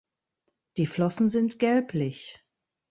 Die Flossen sind gelblich.